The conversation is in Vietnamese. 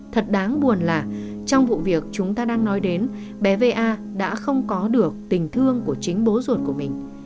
thật đáng buồn là trong vụ việc chúng ta đang nói đến bé a đã không có được tình thương của chính bố ruột của mình